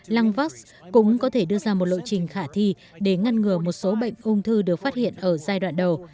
langvax cũng có thể đưa ra một lộ trình khả thi để ngăn ngừa một số bệnh ung thư được phát hiện ở giai đoạn đầu